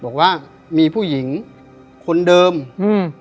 บอกว่ามีผู้หญิงคนเดิมอืม